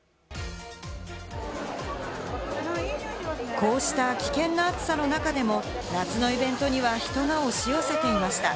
こうした危険な暑さの中でも、夏のイベントには人が押し寄せていました。